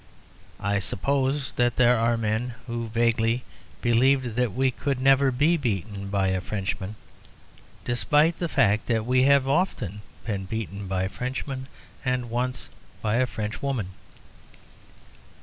I suppose that there are men who vaguely believe that we could never be beaten by a Frenchman, despite the fact that we have often been beaten by Frenchmen, and once by a Frenchwoman.